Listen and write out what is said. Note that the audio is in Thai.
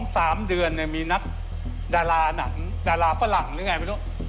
๓เดือนมีนักดาราหนังดาราฝรั่งหรือไงไม่รู้